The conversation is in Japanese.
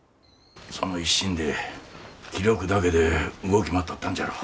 その一心で気力だけで動き回っとったんじゃろう。